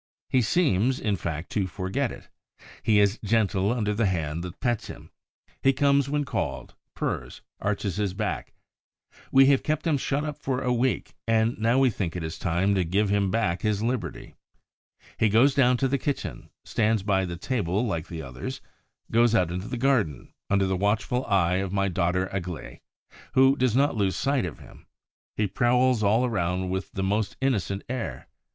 He seems, in fact, to forget it: he is gentle under the hand that pets him, he comes when called, purrs, arches his back. We have kept him shut up for a week, and now we think it is time to give him back his liberty. He goes down to the kitchen, stands by the table like the others, goes out into the garden, under the watchful eye of my daughter Aglaé, who does not lose sight of him; he prowls all around with the most innocent air.